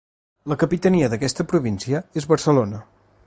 La capitania d'aquesta província és Barcelona.